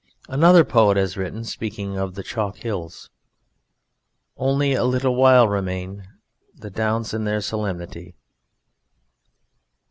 Another poet has written, speaking of the chalk hills: Only a little while remain The Downs in their solemnity.